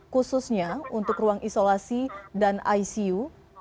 khususnya untuk ruang isolasi dan icu